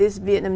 ở việt nam